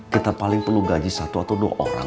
kita paling perlu gaji satu atau dua orang